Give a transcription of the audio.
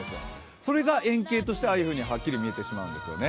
それが円形としてああいうふうにはっきり見えてしまうんですよね。